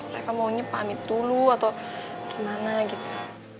mereka maunya pamit dulu atau gimana gitu